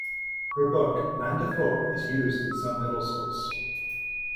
Her book "Land of Hope" is used in some middle schools.